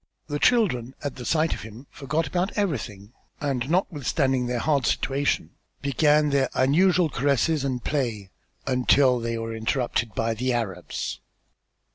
The children at the sight of him forgot about everything, and notwithstanding their hard situation began their usual caresses and play until they were interrupted by the Arabs.